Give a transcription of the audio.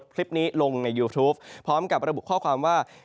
คลิปนี้ลงในยูทูปพร้อมกับระบุข้อความว่า